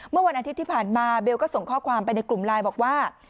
เมื่อวันอาทิตย์ที่ผ่านมาเบลก็ส่งข้อความไปในกลุ่มไลน์บอกว่า